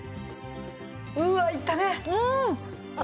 うわっいったね！